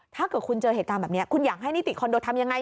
ถ้าเกิดคุณเจอเหตุการณ์แบบนี้คุณอยากให้นิติคอนโดทำยังไง